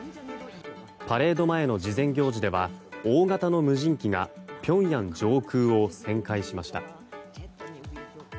パレードの前の事前行事では大型の無人機がピョンヤン上空を旋回しました。